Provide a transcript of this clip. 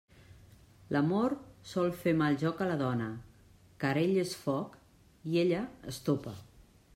L'amor sol fer mal joc a la dona, car ell és foc i ella, estopa.